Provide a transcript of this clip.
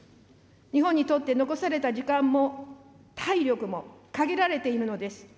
日本にとって残された時間も、体力も限られているのです。